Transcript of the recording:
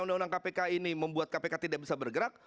undang undang kpk ini membuat kpk tidak bisa bergerak